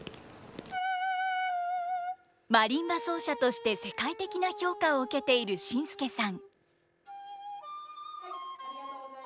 マリンバ奏者として世界的な評価を受けているＳＩＮＳＫＥさん。